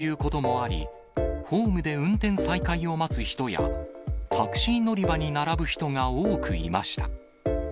通勤時間帯ということもあり、ホームで運転再開を待つ人や、タクシー乗り場に並ぶ人が多くいました。